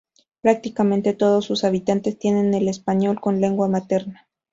Prácticamente todos sus habitantes tienen el español como lengua materna.